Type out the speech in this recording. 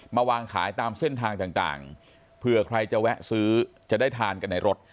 วางขายตามเส้นทางต่างเผื่อใครจะแวะซื้อจะได้ทานกันในรถ